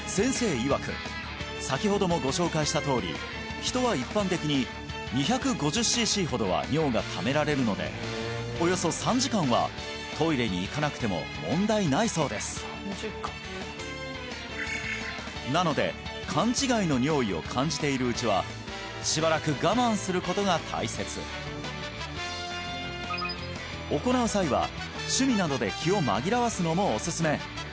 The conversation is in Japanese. いわく先ほどもご紹介したとおり人は一般的に２５０ｃｃほどは尿がためられるのでおよそ３時間はトイレに行かなくても問題ないそうですなので勘違いの尿意を感じているうちはしばらく我慢することが大切行う際は趣味などで気を紛らわすのもおすすめ